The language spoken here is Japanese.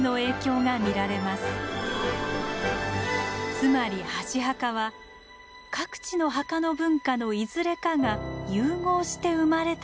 つまり箸墓は各地の墓の文化のいずれかが融合して生まれたと考えられるのです。